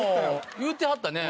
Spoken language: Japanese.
言うてはったね